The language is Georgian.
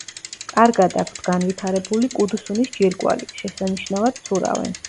კარგად აქვთ განვითარებული კუდუსუნის ჯირკვალი, შესანიშნავად ცურავენ.